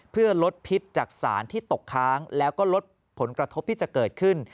เพื่อลดพิษจากสารที่ตกค้างแล้วก็ลดผลกระทบที่จะเกิดขึ้น